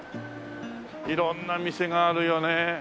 色んな店があるよねえ。